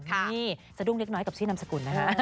จะดุ้งนิกน้อยกับชื่อนามสกุลนะคะ